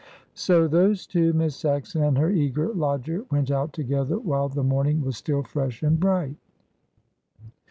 So those two, Miss Saxon and her eager lodger, went out together while the morning was still fresh and bright.